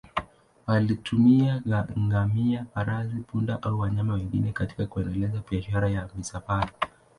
Walitumia ngamia, farasi, punda au wanyama wengine katika kuendeleza biashara ya misafara.